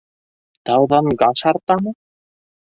Тауҙан гаш артамы?